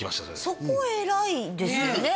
そこ偉いですよね